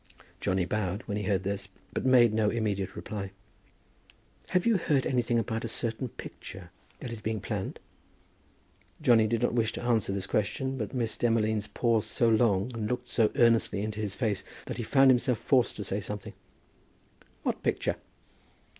Johnny bowed when he heard this, but made no immediate reply. "Have you heard anything about a certain picture that is being planned?" Johnny did not wish to answer this question, but Miss Demolines paused so long, and looked so earnestly into his face, that he found himself forced to say something. "What picture?"